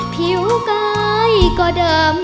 ผิวกายก็ดำ